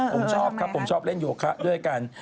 ผมชอบครับผมชอบเล่นโยคะด้วยกัน